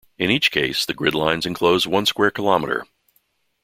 In each case, the grid lines enclose one square kilometre.